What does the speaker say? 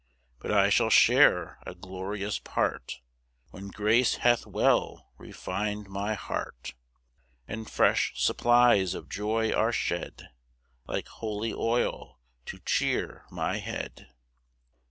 5 But I shall share a glorious part When grace hath well refin'd my heart, And fresh supplies of joy are shed Like holy oil, to cheer my head.